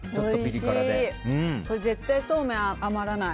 これ絶対そうめん余らない。